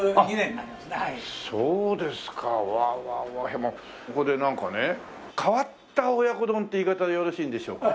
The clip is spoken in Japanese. でもここでなんかね変わった親子丼って言い方でよろしいんでしょうか。